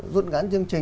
giúp tranos ngắn three